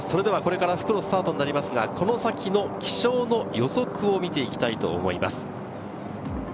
それではこれから復路スタートになりますが、この先の気象の予測を見ていきたいと思います。